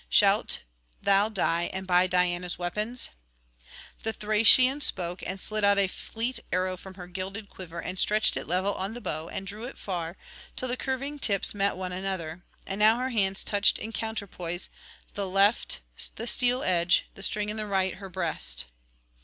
Shalt thou die, and by Diana's weapons?' The Thracian spoke, and slid out a fleet arrow from her gilded quiver, and stretched it level on the bow, and drew it far, till the curving tips met one another, and now her hands touched in counterpoise, the left the steel edge, the string in the right her breast.